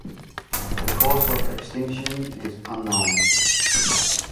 The cause of extinction is unknown.